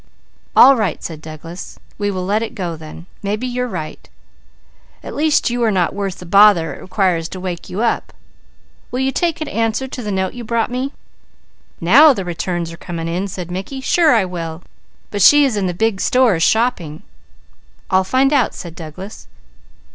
"All right!" said Douglas. "We will let it go then. Maybe you are right. At least you are not worth the bother it requires to wake you up. Will you take an answer to the note you brought me?" "Now the returns are coming in," said Mickey. "Sure I will; but she is in the big stores shopping." "I'll find out," said Douglas.